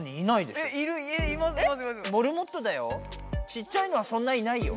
ちっちゃいのはそんないないよ。